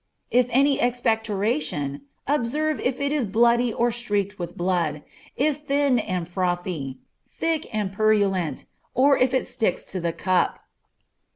If any expectoration, observe if it is bloody or streaked with blood, if thin and frothy, thick and purulent, or if it sticks to the cup.